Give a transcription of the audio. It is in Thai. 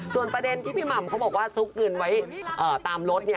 ส่วนประเด็นที่พี่หม่ำเขาบอกว่าซุกเงินไว้ตามรถ